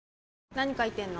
何書いてんの？